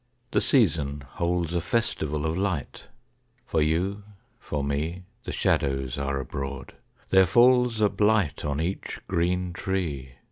The season holds a festival of light, For you, for me, The shadows are abroad, there falls a blight On each green tree.